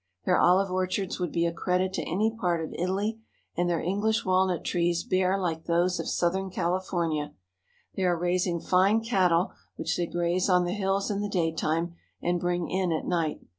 Their olive orchards would be a credit to any part of Italy; and their English walnut trees bear like those of southern California. They are raising fine cattle, which they graze on the hills in the daytime and bring in at night.